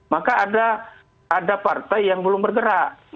maka ada partai yang belum bergerak